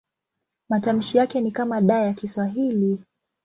Matamshi yake ni kama D ya Kiswahili.